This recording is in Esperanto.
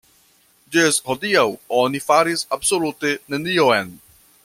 Ĝis hodiaŭ oni faris absolute nenion.